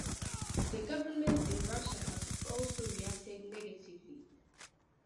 The government in Russia has also reacted negatively.